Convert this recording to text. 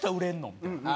みたいな。